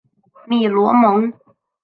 米罗蒙。